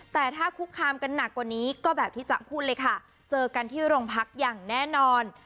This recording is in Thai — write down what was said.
แต่ถ้าคุกคามกันหนักกว่านี้ก็แบบที่จะพูดเลยค่ะเจอกันที่โรงพักอย่างแน่นอน